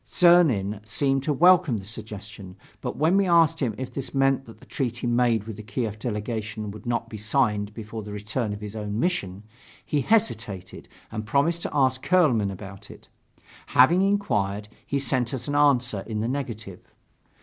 Czernin seemed to welcome this suggestion, but when we asked him if this meant that the treaty made with the Kiev delegation would not be signed before the return of his own mission, he hesitated and promised to ask Kuehlmann about it. Having inquired, he sent us an answer in the negative.